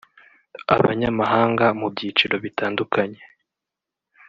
abanyamahanga mu byiciro bitandukanye